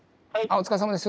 お疲れさまです。